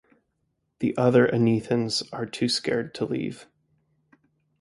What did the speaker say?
The other Anethans are too scared to leave.